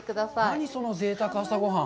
何そのぜいたく朝ごはん。